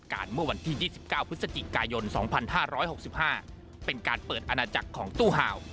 การทุนสีเทาข้ามชาติกายน๒๕๖๕เป็นการเปิดอาณาจักรของตู้เห่า